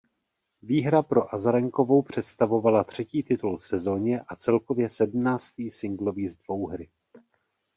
Výhra pro Azarenkovou představovala třetí titul v sezóně a celkově sedmnáctý singlový z dvouhry.